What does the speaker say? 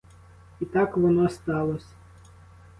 І так воно сталось.